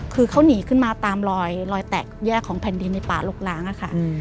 คือเขาหนีขึ้นมาตามรอยแตกแยกของแผ่นดินในป่าลกล้างอะค่ะ